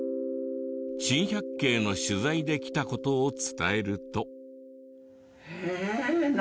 『珍百景』の取材で来た事を伝えると。